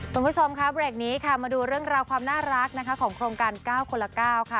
คุณผู้ชมค่ะเบรกนี้ค่ะมาดูเรื่องราวความน่ารักนะคะของโครงการ๙คนละ๙ค่ะ